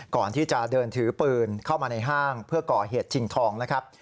ก่อนที่จะเดินถือปืนเข้ามาในห้างเพื่อก่อเหตุชิงทองนะครับ